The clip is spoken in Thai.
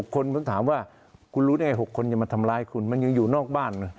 คนผมถามว่าคุณรู้แน่๖คนจะมาทำร้ายคุณมันยังอยู่นอกบ้านนะ